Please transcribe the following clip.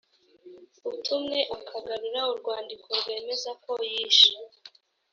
utumwe akagarura urwandiko rwemeza ko yishe